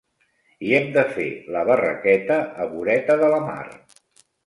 I hem de fer la barraqueta, a voreta de la mar.